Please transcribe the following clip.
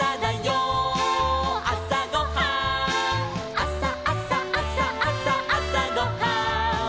「あさあさあさあさあさごはん」